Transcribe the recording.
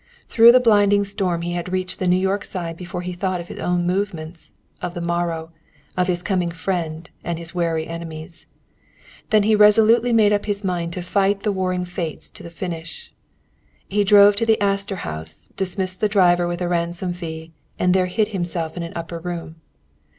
Through the blinding storm he had reached the New York side before he thought of his own movements, of the morrow, of his coming friend, and of his wary enemies. Then he resolutely made up his mind to fight the warring Fates to a finish. He drove to the Astor House, dismissed his driver with a ransom fee, and there hid himself in an upper room.